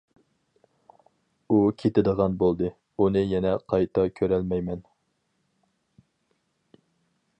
ئۇ كېتىدىغان بولدى، ئۇنى يەنە قايتا كۆرەلمەيمەن!